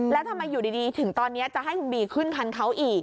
แล้วทำไมอยู่ดีถึงตอนนี้จะให้คุณบีขึ้นคันเขาอีก